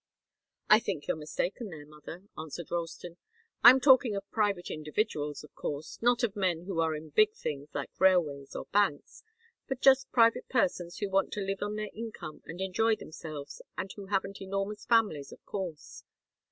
"I think you're mistaken there, mother," answered Ralston. "I'm talking of private individuals, of course not of men who are in big things, like railways, or banks but just private persons who want to live on their income and enjoy themselves, and who haven't enormous families, of course.